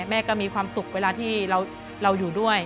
แม่ก็มีความสุขเวลาที่เราอยู่ด้วย